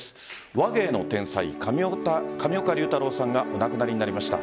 話芸の天才・上岡龍太郎さんがお亡くなりになりました。